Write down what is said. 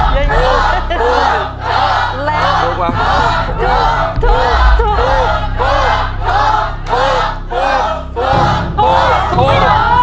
โจทย์